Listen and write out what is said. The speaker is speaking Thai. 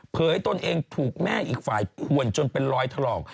ตนเองถูกแม่อีกฝ่ายขวนจนเป็นรอยถลอก